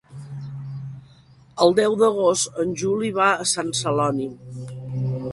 El deu d'agost en Juli va a Sant Celoni.